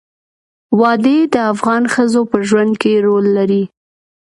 وادي د افغان ښځو په ژوند کې رول لري.